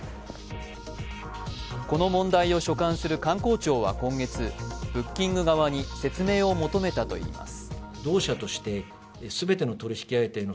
この問題を所管する観光庁は今月ブッキング側に説明を求めたといいます。